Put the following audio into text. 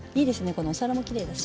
このお皿もきれいだし。